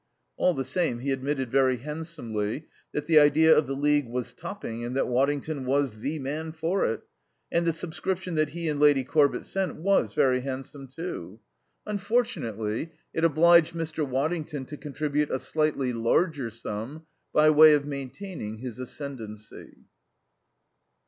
All the same, he admitted very handsomely that the idea of the League was "topping," and that Waddington was the man for it. And the subscription that he and Lady Corbett sent was very handsome, too. Unfortunately it obliged Mr. Waddington to contribute a slightly larger sum, by way of maintaining his ascendancy.